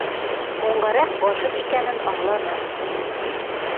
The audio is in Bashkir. Һуңғараҡ ғашиҡ икәнен аңланы.